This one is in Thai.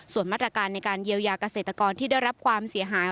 ส่วนมาตรการในการเยียวยาเกษตรกรที่ได้รับความเสียหาย